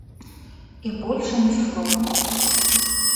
І больш ані слова.